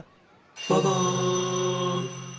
「ババーン」